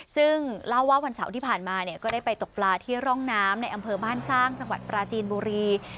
ซึ่งเล่าว่าวันเสาร์ที่ผ่านมาเนี่ยก็ได้ไปตกปลาที่ร่องน้ำในอำเภอบ้านสร้างจังหวัดปราจีนบุรี